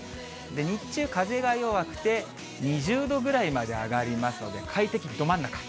日中、風が弱くて、２０度ぐらいまで上がりますので、快適ど真ん中。